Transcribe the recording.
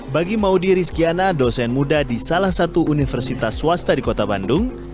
bagi maudie rizkiana dosen muda di salah satu universitas swasta di kota bandung